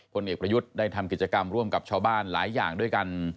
เอกประยุทธ์ได้ทำกิจกรรมร่วมกับชาวบ้านหลายอย่างด้วยกัน